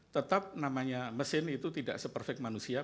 tetap namanya mesin itu tidak seperfek manusia